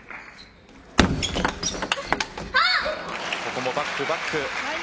ここもバック、バック。